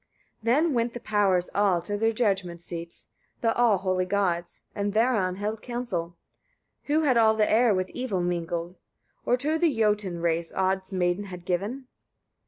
29. Then went the powers all to their judgment seats, the all holy gods, and thereon held council: who had all the air with evil mingled? or to the Jötun race Od's maid had given?